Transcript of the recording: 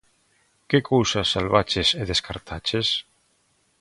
Que cousas salvaches e descartaches?